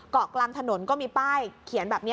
เกาะกลางถนนก็มีป้ายเขียนแบบนี้